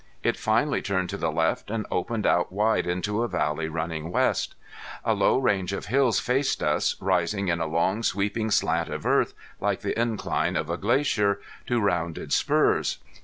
It finally turned to the left, and opened out wide into a valley running west. A low range of hills faced us, rising in a long sweeping slant of earth, like the incline of a glacier, to rounded spurs.